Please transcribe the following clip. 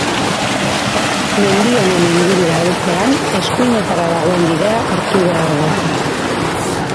Mendi honen ingurura heltzean, eskuinetara dagoen bidea hartu behar da.